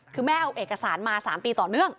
คือแม่เอาเอกสารมา๓ปีต่อเนื่อง